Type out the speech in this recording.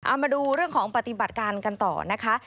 เอามาดูเรื่องของปฏิบัติการกันต่อนะคะ